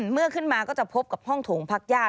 เมื่อขึ้นมาก็จะพบกับห้องโถงพักญาติ